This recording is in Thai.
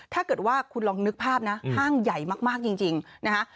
ถ้าเกิดว่าคุณลองนึกภาพนะห้างใหญ่มากจริงนะคะ